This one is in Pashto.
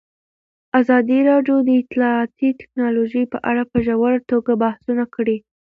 ازادي راډیو د اطلاعاتی تکنالوژي په اړه په ژوره توګه بحثونه کړي.